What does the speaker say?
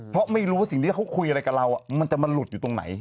เพราะไม่รู้ว่าสิ่งที่เขาคุยอะไรกับเรามันจะมาหลุดอยู่ตรงไหน